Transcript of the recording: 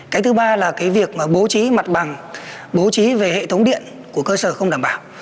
cái thứ ba là cái việc mà bố trí mặt bằng bố trí về hệ thống điện của cơ sở không đảm bảo